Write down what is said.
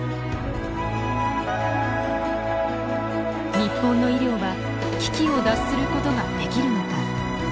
日本の医療は危機を脱することができるのか。